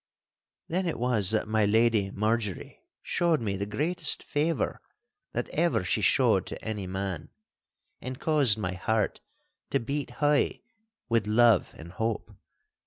Then it was that my Lady Marjorie showed me the greatest favour that ever she showed to any man, and caused my heart to beat high with love and hope.